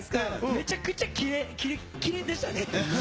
めちゃくちゃキレッキレでしたね。